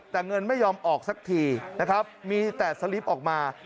แต่เงินไม่ยอมออกสักทีนะครับมีแต่สลิปออกมา